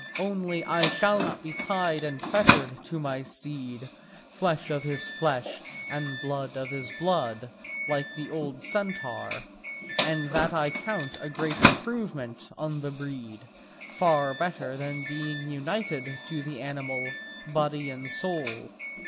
Only I shall not be tied and fettered to my steed, flesh of his flesh, and blood of his blood, like the old centaur. And that I count a great improvement on the breed, far better than being united to the animal, body and soul.